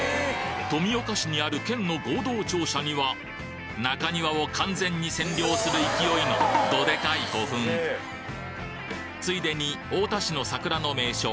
富岡市にある県の合同庁舎には中庭を完全に占領する勢いのどでかい古墳ついでに太田市の桜の名所